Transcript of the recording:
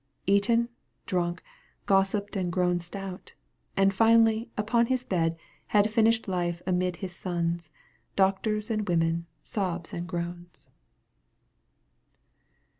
Eaten, drunk, gossiped and grown stout : And finally, upon his bed Had finished life amid his sons. Doctors and women, sobs and groans.